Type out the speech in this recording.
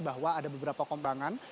bahwa ada beberapa kompangan